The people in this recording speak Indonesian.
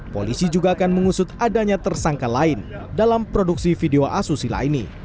polisi juga akan mengusut adanya tersangka lain dalam produksi video asusila ini